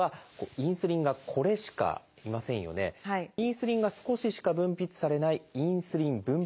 インスリンが少ししか分泌されない「インスリン分泌不全」という場合です。